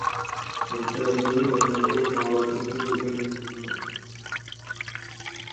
Některé druhy mají několik málo trnů doplněných vlnou.